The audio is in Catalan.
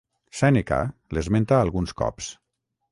Sèneca l'esmenta alguns cops.